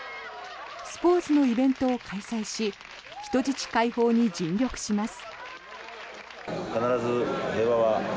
スポーツのイベントを開催し人質の解放に尽力します。